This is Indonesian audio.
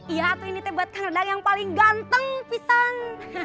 iya atuh ini teh buat kang dadang yang paling ganteng pistan